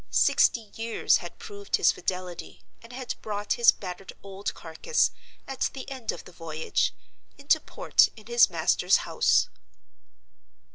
Sixty years had proved his fidelity, and had brought his battered old carcass, at the end of the voyage, into port in his master's house.